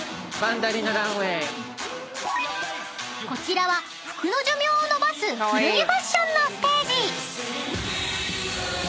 ［こちらは服の寿命を延ばす古着ファッションのステージ］